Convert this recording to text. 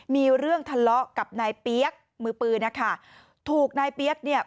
มีเรื่องทะเลาะกับนายเปี๊ยกมือปืนนะคะถูกนายเปี๊ยกเนี่ย